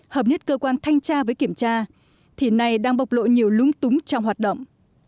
hợp nhất cơ quan thanh tra với kiểm tra thì này đang bộc lộ nhiều lúng túng trong hoạt động